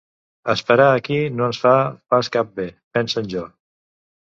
"Esperar aquí no ens fa pas cap bé", pensa en Jo.